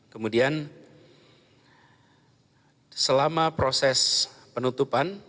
kemudian selama proses penutupan